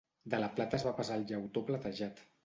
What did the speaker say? De la plata es va passar al llautó platejat.